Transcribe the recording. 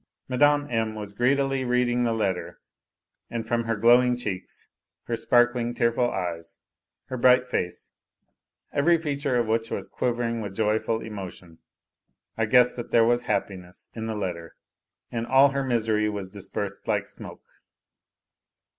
Mme. M. was greedily reading the letter, and from her glowing cheeks, her sparkling, tearful < her bright face, every feature of which was quivering with joyful emotion, I guessed that there was happiness in the letter and all her misery was dispersed like smoke.